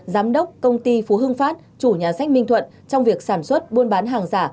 giám đốc công ty phú hưng phát chủ nhà sách minh thuận trong việc sản xuất buôn bán hàng giả